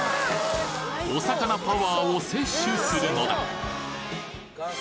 お魚パワーを摂取するのだ！